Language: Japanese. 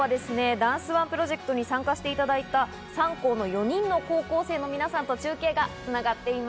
ダンスＯＮＥプロジェクトに参加していただいた３校の４人の高校生の皆さんと中継がつながっています。